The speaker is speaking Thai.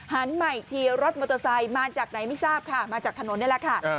หันมาอีกทีรถมอเตอร์ไซค์มาจากไหนไม่ทราบค่ะมาจากถนนนี่แหละค่ะ